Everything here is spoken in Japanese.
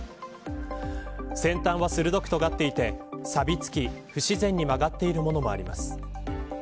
先端は鋭くとがっていてさびつき、不自然に曲がっているものもあります。